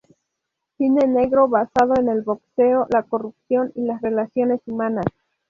Cine negro basado en el boxeo, la corrupción y las relaciones humanas.